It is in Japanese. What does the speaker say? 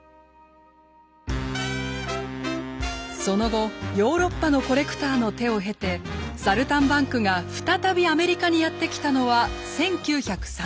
その後ヨーロッパのコレクターの手を経て「サルタンバンク」が再びアメリカにやって来たのは１９３０年代。